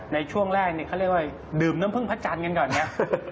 ในช่วงแรกนี่เขาเรียกว่าดื่มน้ำผึ้งพระจันทร์กันก่อนเนี่ย